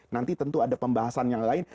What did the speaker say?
nanti tentu ada pembahasan yang lain